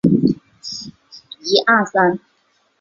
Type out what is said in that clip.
深灰槭为无患子科槭属的植物。